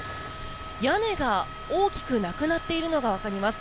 屋根が大きくなくなっているのが分かります。